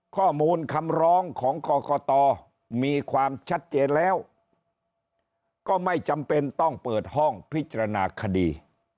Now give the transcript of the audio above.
ข้อมูลคำร้องของกรกตมีความชัดเจนแล้วก็ไม่จำเป็นต้องเปิดห้องพิจารณาคดี